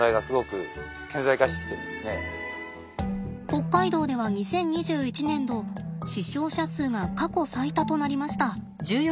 北海道では２０２１年度死傷者数が過去最多となりました。